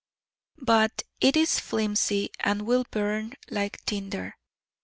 But it is flimsy, and will burn like tinder.